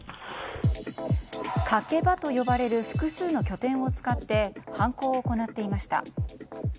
かけ場と呼ばれる複数の拠点を使って犯行を行っていました。